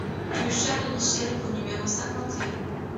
Rue Charles Michels au numéro cinquante et un